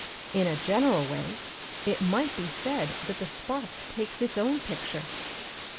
In a general way, it might be said that the spark takes its own picture.